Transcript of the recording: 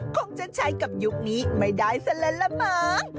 คงจะใช้กับยุคนี้ไม่ได้ซะละละมั้ง